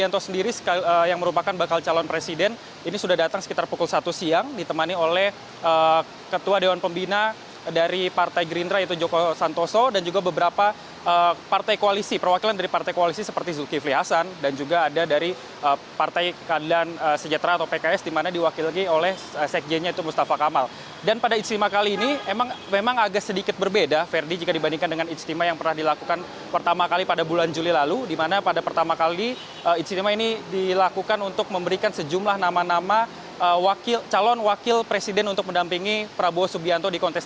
terima kasih kepada ulama atas kepercayaan yang lebih besar kami atas dukungan yang begitu dikas